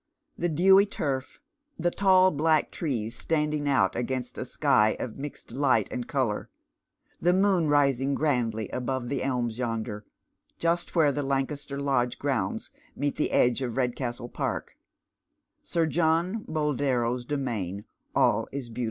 Tiie dewy turf, the tail black trees standing out against a sky of mixed light and colour, tlio moon rising grandly above the elms yonder, just where the Lancaster Lodge grounds meet the eilgo of liedcaatlo i'ark, Sir John Boldero's domain — all if be«u!.